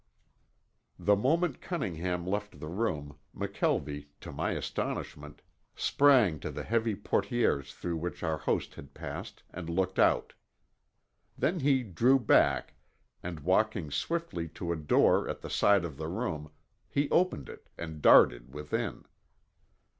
The moment Cunningham left the room, McKelvie to my astonishment, sprang to the heavy portieres through which our host had passed and looked out. Then he drew back and walking swiftly to a door at the side of the room, he opened it and darted within.